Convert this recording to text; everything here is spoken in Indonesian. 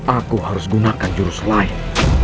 aku harus gunakan jurus lain